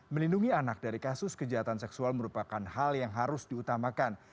melindungi anak dari kasus kejahatan seksual merupakan hal yang harus diutamakan